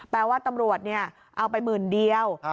แปลว่าตำรวจเอาไปหมื่นเดียว